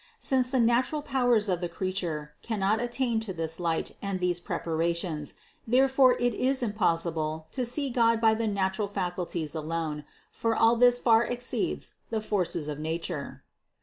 Since the natural powers of the creature cannot attain to this light and these preparations, therefore it is impossible to see God by the natural faculties alone, for all this far exceeds the forces of nature.